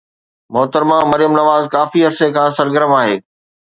محترمه مريم نواز ڪافي عرصي کان سرگرم آهي.